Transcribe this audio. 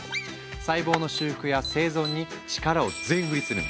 細胞の修復や生存に力を全振りするの。